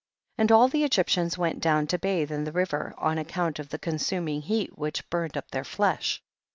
16. And all the Egyptians went down to bathe in the river, on account of the consuming heat which burned up their flesh.